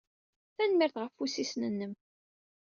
Tanemmirt ɣef wussisen-nnem.